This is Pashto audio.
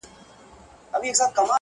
بیا د ښکلیو پر تندیو اوربل خپور سو،